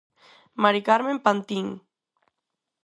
Mari Carmen Pantín.